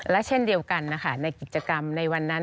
และเช่นเดียวกันนะคะในกิจกรรมในวันนั้น